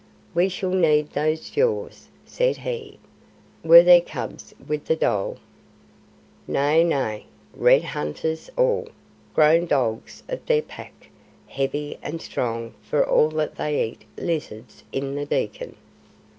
"We shall need those jaws," said he. "Were there cubs with the dhole?" "Nay, nay. Red Hunters all: grown dogs of their Pack, heavy and strong for all that they eat lizards in the Dekkan."